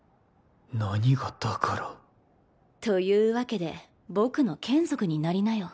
何が「だから」？というわけで僕の眷属になりなよ。